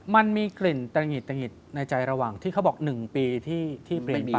มันมีกลิ่นตะหงิดตะหิดในใจระหว่างที่เขาบอก๑ปีที่เปลี่ยนไป